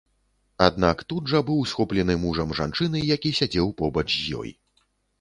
Аднак тут жа быў схоплены мужам жанчыны, які сядзеў побач з ёй.